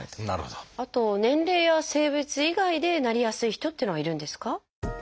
あと年齢や性別以外でなりやすい人っていうのはいるんですか？